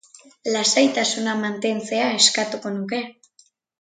Lasaitasuna mantentzea eskatuko nuke.